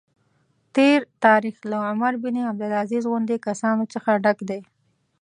تېر تاریخ له عمر بن عبدالعزیز غوندې کسانو څخه ډک دی.